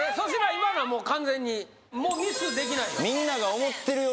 今のはもう完全にもうミスできないよ